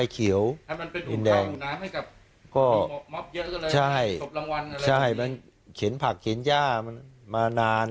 ก็ใช่ใช่มันเข็นผักเข็นย่ามานาน